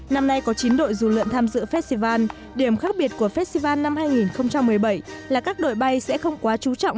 năm nay có chín đội dù lượn tham dự festival điểm khác biệt của festival năm hai nghìn một mươi bảy là các đội bay sẽ không quá trú trọng